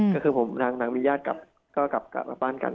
ก็คือทางมีญาติก็กลับมาบ้านกัน